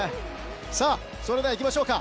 それでは行きましょうか。